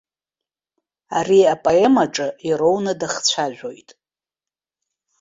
Ари апоемаҿы ироуны дахцәажәоит.